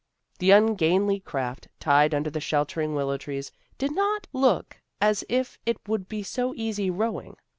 The ungainly craft, tied under the shelter ing willow trees, did not look as if it would be so easy rowing.